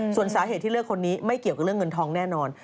ส่วนสาเหตุที่เลือกคนนี้ไม่เกี่ยวกับเรื่องเงินทองแน่นอน